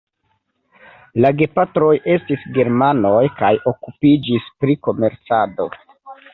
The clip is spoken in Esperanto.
La gepatroj estis germanoj kaj okupiĝis pri komercado.